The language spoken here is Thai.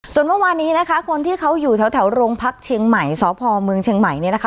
ส่วนเมื่อวานนี้นะคะคนที่เขาอยู่แถวโรงพักเชียงใหม่สพเมืองเชียงใหม่เนี่ยนะคะ